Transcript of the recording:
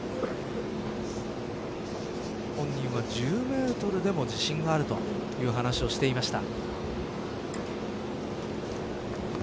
本人は１０メートルでも自信があるという話をしていました。